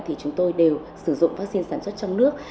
thì chúng tôi đều sử dụng vắc xin sản xuất trong nước